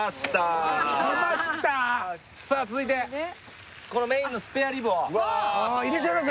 出ましたさあ続いてこのメインのスペアリブを入れちゃいます？